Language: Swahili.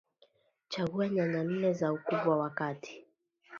Chagua nyanya nne za ukubwa wa kati